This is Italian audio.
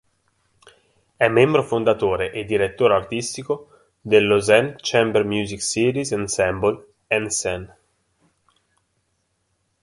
È membro fondatore e direttore artistico del Lausanne chamber music series Ensemble enScène.